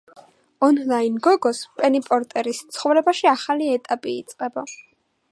ონლაინ გოგოს, პენი პორტერის, ცხოვრებაში ახალი ეტაპი იწყება.